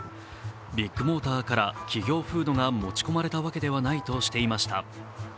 ビッグモーターから企業風土が持ち込まれたものではないとしていました。